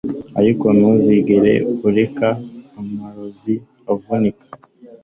ariko ntuzigere ureka amarozi avunika